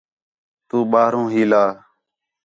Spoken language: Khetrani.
تُو ٻاہروں ہیلا